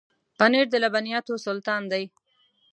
پنېر د لبنیاتو سلطان دی.